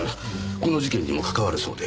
この事件にも関わるそうで。